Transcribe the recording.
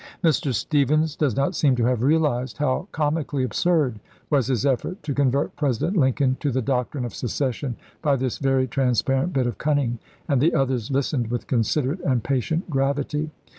Mr. Stephens does not seem to have realized how comically absurd was his effort to convert President Lincoln to the doctrine of secession by this very transparent bit of cunning, and the others listened with considerate and patient gravity.